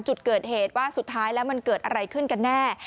จุดเกิดเหตุว่าสุดท้ายแล้วมันเกิดอะไรขึ้นกันแน่